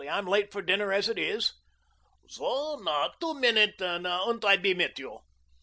"I'm late for dinner, as it is." "Soh, now. Two minuten, und I be mit you."